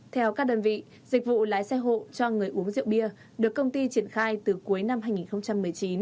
theo các đơn vị dịch vụ lái xe hộ cho người uống rượu bia được công ty triển khai từ cuối năm hai nghìn một mươi chín